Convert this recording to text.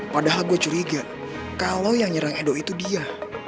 padahal gue curiga kalau yang nyerang edo itu dia